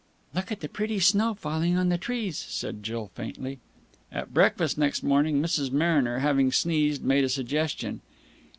"Look at the pretty snow falling on the trees," said Jill faintly. At breakfast next morning, Mrs. Mariner having sneezed, made a suggestion.